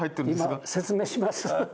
今説明します。